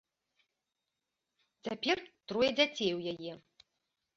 Цяпер трое дзяцей у яе.